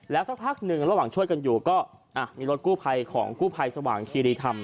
สักพักหนึ่งระหว่างช่วยกันอยู่ก็มีรถกู้ภัยของกู้ภัยสว่างคีรีธรรม